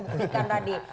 untuk membuktikan tadi